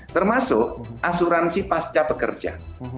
termasuk asuransi pasca pekerja